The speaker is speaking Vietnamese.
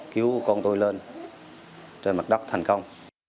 cứu con tôi lên trên mặt đất thành công